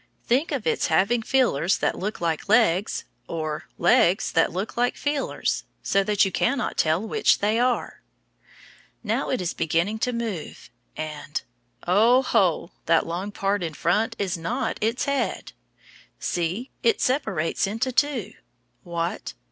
Think of its having feelers that look like legs or legs that look like feelers, so that you cannot tell which they are! Now it is beginning to move, and Oh, ho, that long part in front is not its head! See, it separates into two what?